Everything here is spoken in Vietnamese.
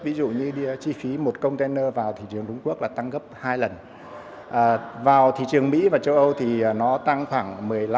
ví dụ như chi phí một container vào thị trường trung quốc là tăng gấp hai lần vào thị trường mỹ và châu âu thì nó tăng khoảng một mươi năm